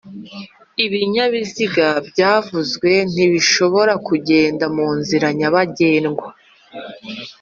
Ibinyabiziga byavuzwe ntibishobora kugenda mu nzira nyabagendwa